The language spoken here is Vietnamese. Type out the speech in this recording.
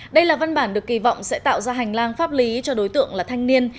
đây là văn bản được kỳ vọng sẽ tạo ra hành lang pháp lý cho đối tượng là thanh niên